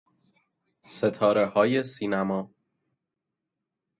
ستارههای سینما